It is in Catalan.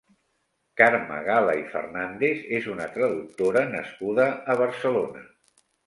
Carme Gala i Fernández és una traductora nascuda a Barcelona.